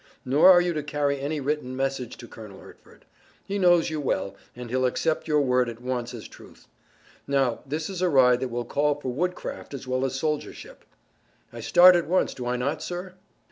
Nor are you to carry any written message to Colonel Hertford. He knows you well, and he'll accept your word at once as truth. Now, this is a ride that will call for woodcraft as well as soldiership." "I start at once, do I not, sir?"